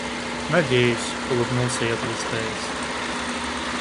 — Надеюсь, — улыбнулся я, плескаясь.